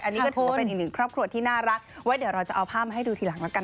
อันนี้ก็เป็นอีกหนึ่งครอบครัวที่น่ารักไว้เดี๋ยวเราจะเอาผ้ามาให้ดูทีหลังแล้วกันนะครับ